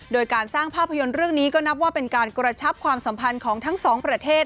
โดยการสร้างภาพยนตร์เรื่องนี้ก็นับว่าเป็นการกระชับความสัมพันธ์ของทั้งสองประเทศ